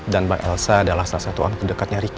dan mbak elsa adalah salah satuan kedekatnya ricky